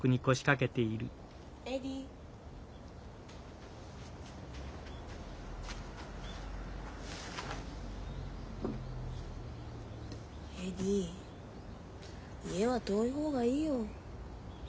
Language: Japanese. エディ家は遠い方がいいよ。